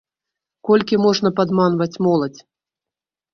Колькі можна падманваць моладзь?!